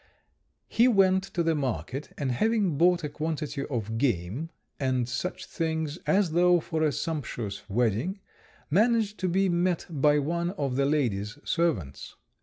He went to the market, and having bought a quantity of game and such things, as though for a sumptuous wedding, managed to be met by one of the lady's servants.